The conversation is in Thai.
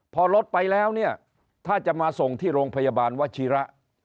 พอรถไปแล้วเนี่ยถ้าจะมาส่งที่โรงพยาบาลวชิระ